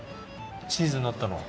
チーズになったの！